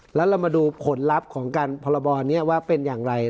แล้วเรามาดูผลลัพธ์ของการพรบนี้ว่าเป็นอย่างไร